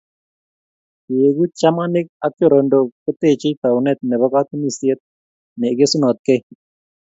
Keeku chamanik ak chorondok koteechei tauneet nebo katunisieet ne igesunotkei